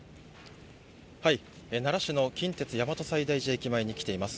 奈良市の近鉄大和西大寺駅前に来ています。